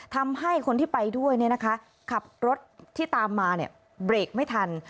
ทำให้คนที่ไปด้วยขับรถที่ตามมาเบรกไม่ทัน